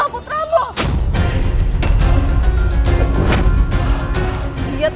aku terus bergerak